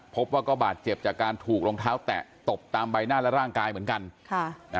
พบว่าก็บาดเจ็บจากการถูกรองเท้าแตะตบตามใบหน้าและร่างกายเหมือนกันค่ะ